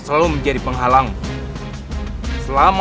derahsaki mereka yang dibeda beta